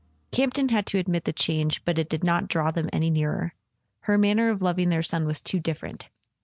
Campton had to admit the change, but it did not draw them any nearer. Her manner of loving their son was too different.